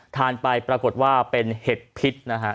ทานไปปรากฏว่าเป็นเห็ดพิษนะฮะ